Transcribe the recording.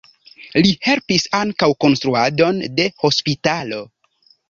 Li helpis ankaŭ konstruadon de hospitalo.